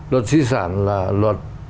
luật di sản là luật